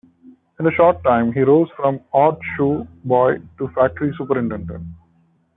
In a short time, he rose from odd shoe boy to factory superintendent.